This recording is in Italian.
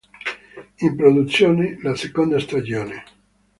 In produzione la seconda stagione.